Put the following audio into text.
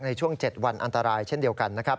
ในช่วง๗วันอันตรายเช่นเดียวกันนะครับ